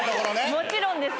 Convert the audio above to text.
もちろんです。